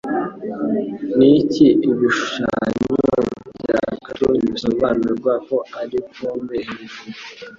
Niki Ibishushanyo bya Cartoon bisobanurwa ko ari pome hejuru